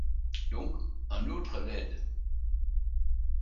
Donc un autre l’aide.